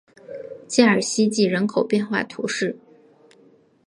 加尔希济人口变化图示